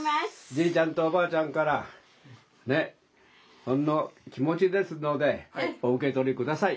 じいちゃんとおばあちゃんからほんの気持ちですのでお受け取り下さい。